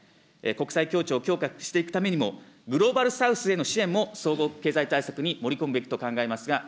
国際協調を強化していくためにも、グローバルサウスへの支援も総合経済対策に盛り込むべきと考え